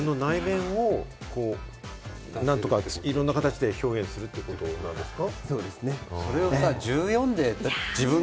内面を何とかいろんな形で表現するということなんですか？